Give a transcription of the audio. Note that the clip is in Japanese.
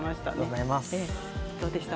どうでしたか？